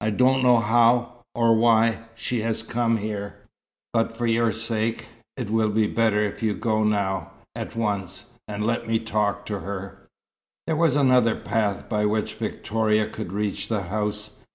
"I don't know how or why she has come here. But for your sake it will be better if you go now, at once, and let me talk to her." There was another path by which Victoria could reach the house.